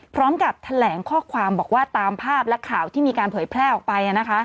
พร้อมกับแถลงข้อความบอกว่าตามภาพและข่าวที่มีการเผยแพร่ออกไป